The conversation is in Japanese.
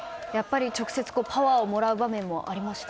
直接パワーをもらう場面もありました？